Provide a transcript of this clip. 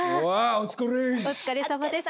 お疲れさまです。